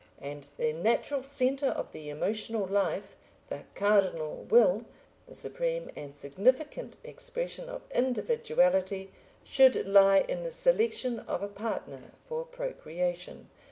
And the natural centre of the emotional life, the cardinal will, the supreme and significant expression of individuality, should lie in the selection of a partner for procreation.